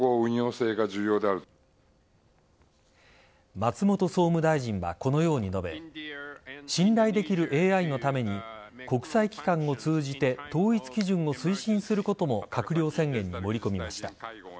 松本総務大臣はこのように述べ信頼できるＡＩのために国際機関を通じて統一基準を推進することも閣僚宣言に盛り込みました。